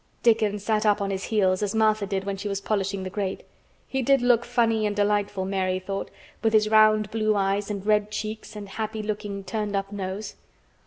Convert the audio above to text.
Dickon sat up on his heels as Martha did when she was polishing the grate. He did look funny and delightful, Mary thought, with his round blue eyes and red cheeks and happy looking turned up nose.